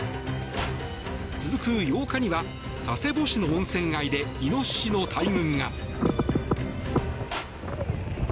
続く８日には佐世保市の温泉街でイノシシの大群が。